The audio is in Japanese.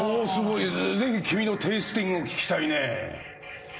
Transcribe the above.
ぜひ君のテイスティングを聞きたいね。